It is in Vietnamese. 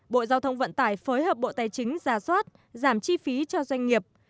bộ giao thông vận tải phối hợp bộ tài chính giả soát giảm chi phí cho doanh nghiệp